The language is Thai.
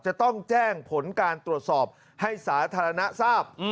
จะต้องแจ้งผลการตรวจสอบให้สาธารณะทราบ